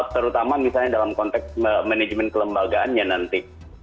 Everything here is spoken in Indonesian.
terutama misalnya dalam konteks manajemen kelembagaannya nanti